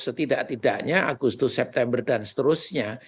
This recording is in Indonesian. setidak tidaknya agustus september dan seterusnya